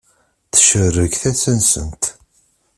Tcerreg tasa-nsent.